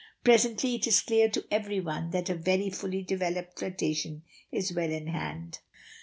Presently it is clear to everyone that a very fully developed flirtation is well in hand.